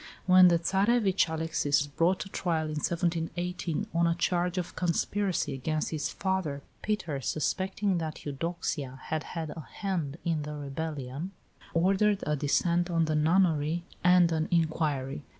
When the Tsarevitch, Alexis, was brought to trial in 1718 on a charge of conspiracy against his father, Peter, suspecting that Eudoxia had had a hand in the rebellion, ordered a descent on the nunnery and an inquiry.